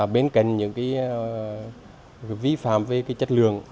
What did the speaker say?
bên cạnh những cái vi phạm về chất lượng